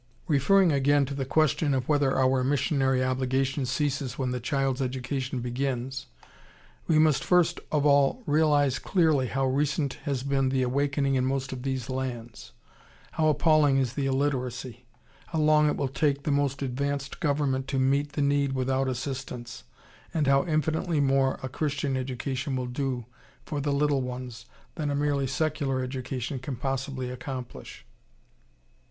] Referring again to the question of whether our missionary obligation ceases when the child's education begins, we must first of all realize clearly how recent has been the awakening in most of these lands, how appalling is the illiteracy, how long it will take the most advanced government to meet the need without assistance, and how infinitely more a Christian education will do for the little ones than a merely secular education can possibly accomplish.